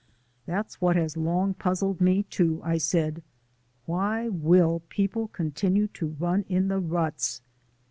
"That's what has long puzzled me, too," I said. "Why WILL people continue to run in ruts?"